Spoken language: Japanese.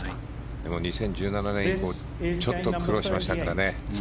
でも、２０１７年以降ちょっと苦労しましたからね。